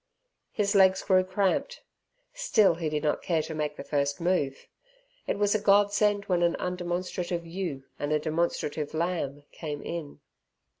His legs grew cramped, still he did not care to make the first move. It was a godsend when an undemonstrative ewe and demonstrative lamb came in.